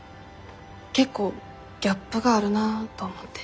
結構ギャップがあるなと思って。